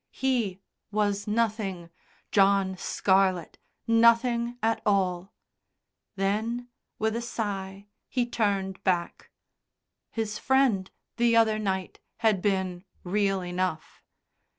He was nothing John Scarlett nothing at all. Then, with a sigh, he turned back. His Friend, the other night, had been real enough.